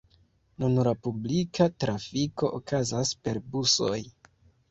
Nun la publika trafiko okazas per busoj.